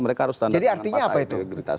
mereka harus tandatangan pakta integritas